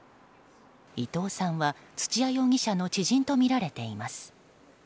伊藤さんは土屋容疑者の知人とみられています。